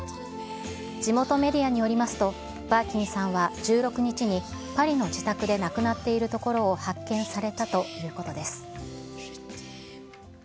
地元メディアによりますと、バーキンさんは１６日に、パリの自宅で亡くなっているところを発見されたということです。